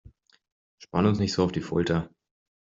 Spanne uns nicht so auf die Folter!